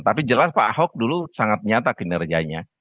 tapi jelas pak ahok dulu sangat nyata kinerjanya